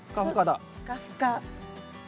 ふかふか。